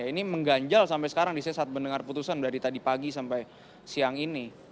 ini mengganjal sampai sekarang di saya saat mendengar putusan dari tadi pagi sampai siang ini